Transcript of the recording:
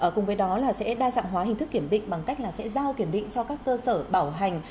cùng với đó là sẽ đa dạng hóa hình thức kiểm định bằng cách giao kiểm định cho các cơ sở bảo hành